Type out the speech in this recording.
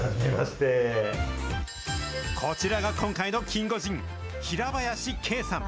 こちらが今回のキンゴジン、平林景さん。